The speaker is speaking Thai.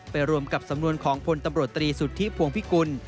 รวมกับสำนวนของพลตำรวจตรีสุทธิพวงพิกุล